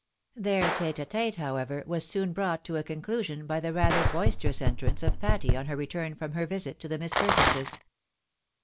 Their tete a tete, however, was soon brought to a conclusion by the rather boisterous entrance of Patty on her return from her visit to the Miss Perkinses.